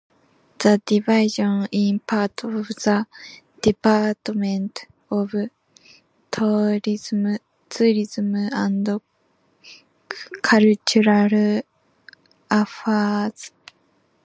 The division is part of the Department of Tourism and Cultural Affairs.